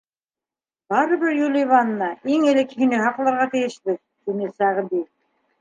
— Барыбер, Юливанна, иң элек һине һаҡларға тейешбеҙ, — тине Сәғди.